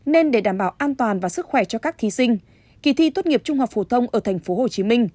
nên để đảm bảo an toàn và sức khỏe cho các thí sinh kỳ thi tốt nghiệp trung học phổ thông ở tp hcm